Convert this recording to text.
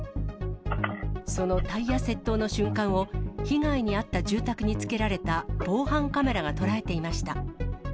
そのタイヤ窃盗の瞬間を、被害に遭った住宅につけられた防犯カメラが捉えていました。